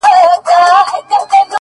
کور مي ورانېدی ورته کتله مي”